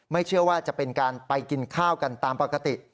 เชื่อว่าจะเป็นการไปกินข้าวกันตามปกติ